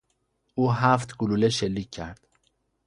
او هفت گلوله شلیک کرد.